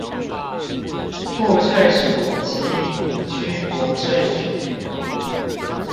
賦稅署及五區國稅局